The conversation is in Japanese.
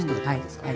はい。